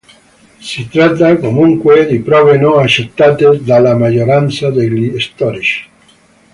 Si tratta comunque di prove non accettate dalla maggioranza degli storici.